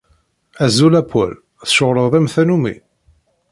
Azul a Paul. Tceɣleḍ am tannumi?